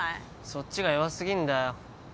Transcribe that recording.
そっちが弱すぎんだよ